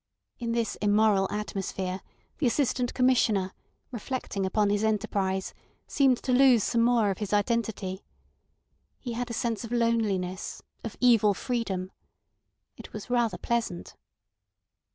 In this immoral atmosphere the Assistant Commissioner, reflecting upon his enterprise, seemed to lose some more of his identity. He had a sense of loneliness, of evil freedom. It was rather pleasant.